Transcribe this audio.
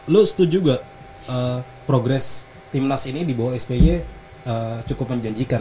lo setuju gak progres tim nas ini di bawah stj cukup menjanjikan